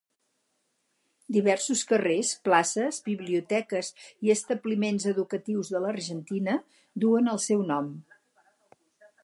Diversos carrers, places, biblioteques i establiments educatius de l'Argentina duen el seu nom.